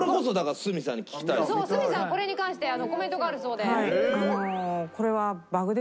角さんこれに関してコメントがあるそうで。